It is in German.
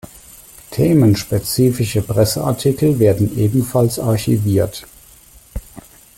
Themenspezifische Presseartikel werden ebenfalls archiviert.